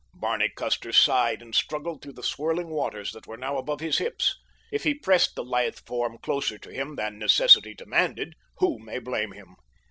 Barney Custer sighed and struggled through the swirling waters that were now above his hips. If he pressed the lithe form closer to him than necessity demanded, who may blame him?